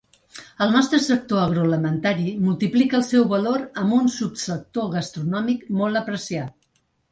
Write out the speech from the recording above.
El nostre sector agroalimentari multiplica el seu valor amb un subsector gastronòmic molt apreciat.